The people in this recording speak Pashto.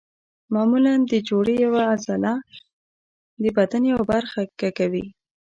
معمولا د جوړې یوه عضله د بدن یوه برخه کږوي.